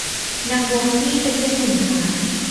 นางบัวคลี่เป็นลูกหมื่นหาญ